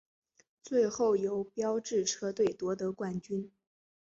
最后由标致车队夺得冠军。